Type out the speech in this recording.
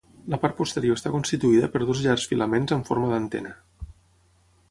La part posterior està constituïda per dos llargs filaments amb forma d'antena.